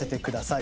「い」